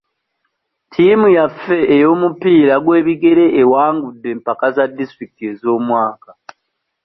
Ttiimu yaffe ey'omupiira gw'ebigere ewangudde empaka za disitulikiti ez'omwaka.